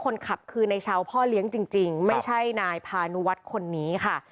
คนขับคือในชาวพ่อเลี้ยงจริงไม่ใช่นายพานุวัฒน์คนนี้ค่ะ